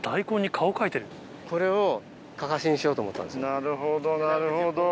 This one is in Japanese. なるほどなるほど。